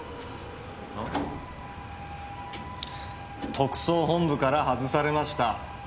特捜本部から外されました。